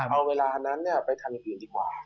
เอาเวลานั้นไปทางอื่นดีกว่า